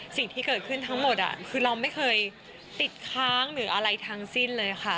สิ่งที่เกิดขึ้นทั้งหมดคือเราไม่เคยติดค้างหรืออะไรทั้งสิ้นเลยค่ะ